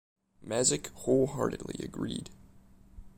Mazich wholeheartedly agreed.